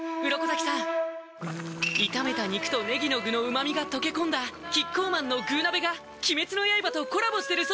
鱗滝さん炒めた肉とねぎの具の旨みが溶け込んだキッコーマンの「具鍋」が鬼滅の刃とコラボしてるそうです